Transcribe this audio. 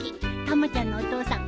たまちゃんのお父さん。